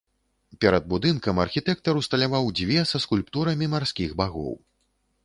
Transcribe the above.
Перад будынкам архітэктар усталяваў дзве са скульптурамі марскіх багоў.